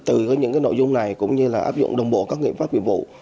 từ những nội dung này cũng như áp dụng đồng bộ các nghiệp pháp viện vụ